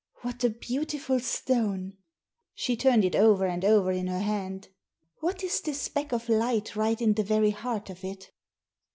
" What a beautiful stone !" She turned it over and over in her hand. " What is this speck of light right in the very heart of it